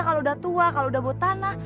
kalau udah tua kalau udah bawa tanah